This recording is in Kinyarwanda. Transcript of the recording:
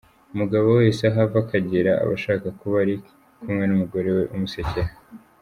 Umugabo wese aho ava akagera aba ashaka kuba ari kumwe n’umugore umusekera.